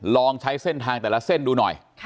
ลองใช้เส้นทางแต่ละเส้นดูหน่อย